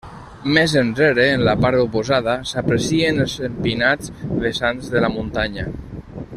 Més enrere en la part oposada s'aprecien els empinats vessants de la muntanya.